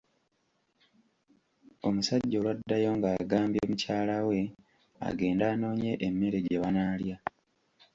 Omusajja olwaddayo ng’agambye mukyala we agende anoonye emmere gye banaalya.